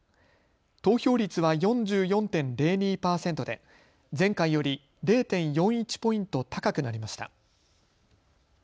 投票率は４４．０２％で前回より０．４１ポイント高くなりました。